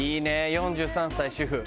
４３歳主婦。